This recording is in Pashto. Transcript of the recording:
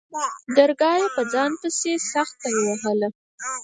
درگاه يې په ځان پسې سخته ووهله.